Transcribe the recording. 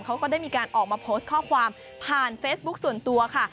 ก็ได้มีการออกมาโพสต์ข้อความผ่านเฟซบุ๊คส่วนตัวค่ะ